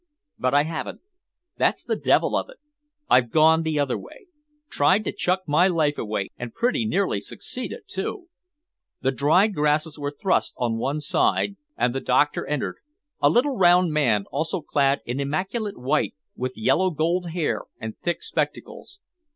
But I haven't. That's the devil of it. I've gone the other way; tried to chuck my life away and pretty nearly succeeded, too." The dried grasses were thrust on one side, and the doctor entered, a little round man, also clad in immaculate white, with yellow gold hair and thick spectacles.